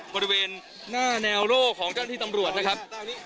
บริเวณหน้าแนวโล่ของเจ้าหน้าที่ตำรวจนะครับ